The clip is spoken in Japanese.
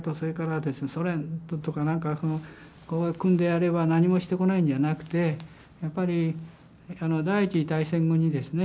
ソ連とか何かがこう組んでやれば何もしてこないんじゃなくてやっぱり第一次大戦後にですね